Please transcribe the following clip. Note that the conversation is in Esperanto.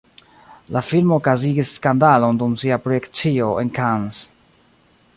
La filmo okazigis skandalon dum sia projekcio en Cannes.